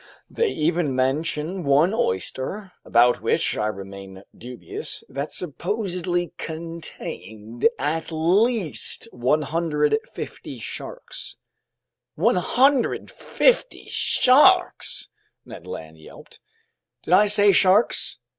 They even mention one oyster, about which I remain dubious, that supposedly contained at least 150 sharks." "150 sharks!" Ned Land yelped. "Did I say sharks?"